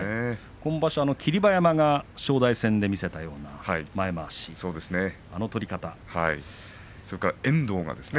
今場所、霧馬山が正代戦で見せた前まわしの取り方ですね。